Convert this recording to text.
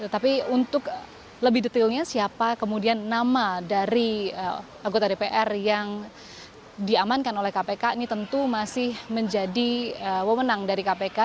tetapi untuk lebih detailnya siapa kemudian nama dari anggota dpr yang diamankan oleh kpk ini tentu masih menjadi wamenang dari kpk